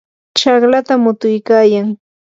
chaqlata mutuykayan.